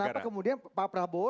kenapa kemudian pak prabowo